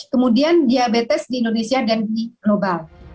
kemudian diabetes di indonesia dan di global